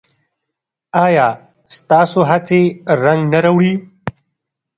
ایا ستاسو هڅې رنګ نه راوړي؟